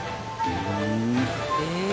え！？